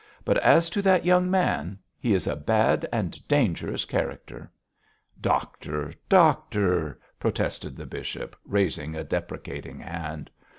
But as to that young man, he is a bad and dangerous character.' 'Doctor, doctor,' protested the bishop, raising a deprecating hand.